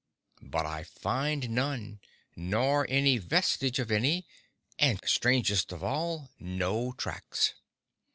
But I find none, nor any vestige of any; and strangest of all, no tracks.